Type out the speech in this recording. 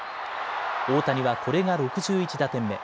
大谷はこれが６１打点目。